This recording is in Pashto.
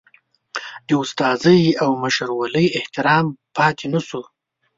د استادۍ او مشرولۍ احترام پاتې نشو.